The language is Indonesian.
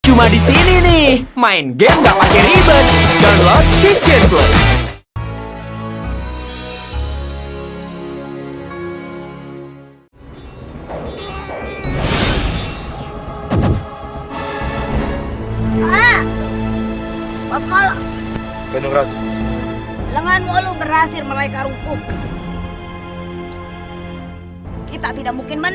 cuma di sini nih main game gak pake ribet